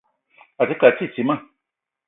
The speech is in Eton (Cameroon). A te ke a titima.